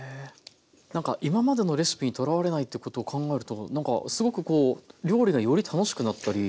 なんか今までのレシピにとらわれないということを考えるとなんかすごく料理がより楽しくなったり。